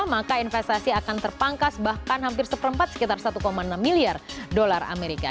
maka investasi akan terpangkas bahkan hampir seperempat sekitar satu enam miliar dolar amerika